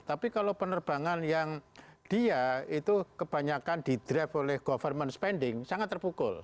tapi kalau penerbangan yang dia itu kebanyakan di drive oleh government spending sangat terpukul